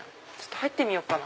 入ってみようかな。